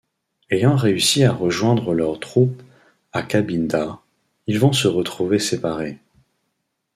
Ayant réussi à rejoindre leurs troupes à Kabinda, ils vont se retrouver séparés.